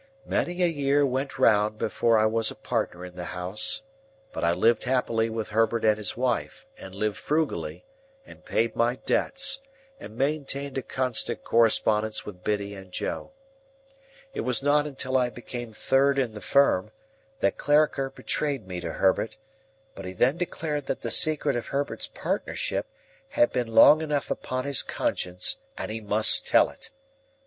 Many a year went round before I was a partner in the House; but I lived happily with Herbert and his wife, and lived frugally, and paid my debts, and maintained a constant correspondence with Biddy and Joe. It was not until I became third in the Firm, that Clarriker betrayed me to Herbert; but he then declared that the secret of Herbert's partnership had been long enough upon his conscience, and he must tell it.